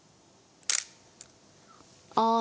ああ。